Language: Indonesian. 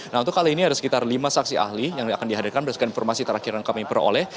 nah untuk kali ini ada sekitar lima saksi ahli yang akan dihadirkan berdasarkan informasi terakhir yang kami peroleh